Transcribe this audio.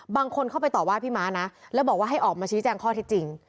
บางคนเข้าไปต่อว่าพี่ม้านะแล้วบอกว่าให้ออกมาชี้แจงข้อที่จริง